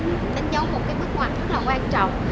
nó đánh dấu một cái bức ngoạch rất là quan trọng